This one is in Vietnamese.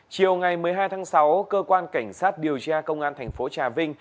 chiều ngày một mươi hai tháng sáu cơ quan cảnh sát điều tra công an thành phố trà vinh